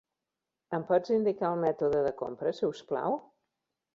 Em pots indicar el mètode de compra, si us plau?